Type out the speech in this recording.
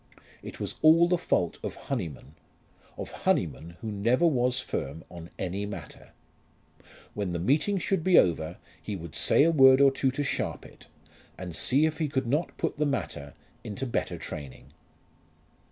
It was all the fault of Honyman, of Honyman who never was firm on any matter. When the meeting should be over he would say a word or two to Sharpit, and see if he could not put the matter into better training.